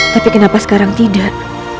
tapi kenapa sekarang tidak